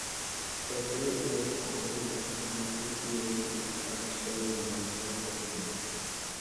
The dirt road passes by ponds and fields where crops for wildlife are cultivated.